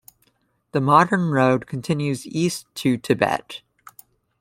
The modern road continues east to Tibet.